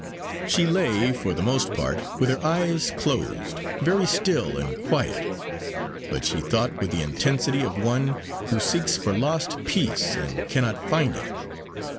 She lay, for the most part, with her eyes closed, very still and quiet; but she thought with the intensity of one who seeks for lost peace, and cannot find it.